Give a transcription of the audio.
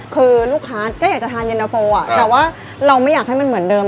คือลูกค้าก็อยากจะทานเย็นตะโฟแต่ว่าเราไม่อยากให้มันเหมือนเดิม